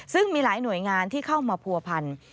ซึ่งมีหลายหน่วยงานที่เข้ามาผัวพัน